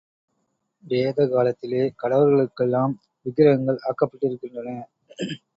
வேத காலத்திலே கடவுளர்களுக்கெல்லாம் விக்கிரகங்கள் ஆக்கப்பட்டிருக்கின்றன.